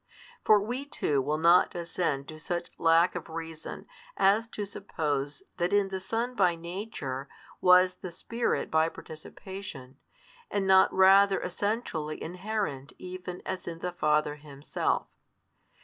For we too will not descend to such lack of reason as to suppose that in the Son by Nature was the Spirit by participation and not rather essentially inherent even as in the Father Himself.